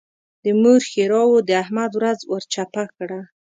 د مور ښېراوو د احمد ورځ ور چپه کړه.